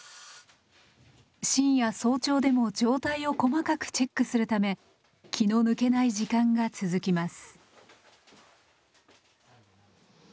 深夜早朝でも状態を細かくチェックするため気の抜けない時間が続きます。